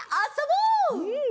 うん！